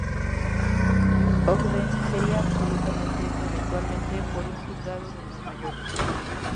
Ogden sería absuelto eventualmente por un juzgado de Nueva York.